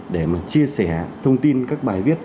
để chia sẻ thông tin các bài viết